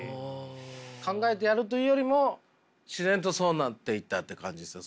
考えてやるというよりも自然とそうなっていったって感じですね。